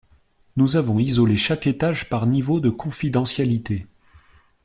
Nous avons isolé chaque étage, par niveau de confidentialité.